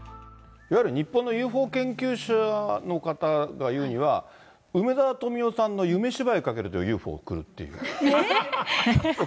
いわゆる日本のＵＦＯ研究者の方が言うには、梅沢富美男さんのゆめしばいをかけるとＵＦＯが来るっていうふうに。